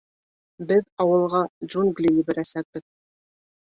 Беҙ ауылға джунгли ебәрәсәкбеҙ.